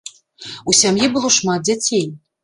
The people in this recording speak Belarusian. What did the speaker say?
У сям'і было шмат дзяцей.